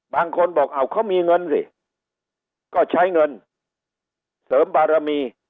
บางคนบอกเอาเขามีเงินสิก็ใช้เงินเสริมบารมี